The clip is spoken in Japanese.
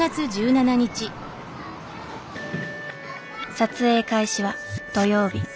撮影開始は土曜日。